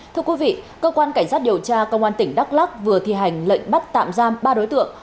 thưa quý vị cơ quan cảnh sát điều tra công an tỉnh đắk lắc vừa thi hành lệnh bắt tạm giam ba đối tượng